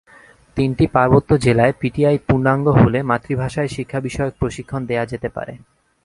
তিনটি পার্বত্য জেলায় পিটিআই পূর্ণাঙ্গ হলে মাতৃভাষায় শিক্ষাবিষয়ক প্রশিক্ষণ দেওয়া যেতে পারে।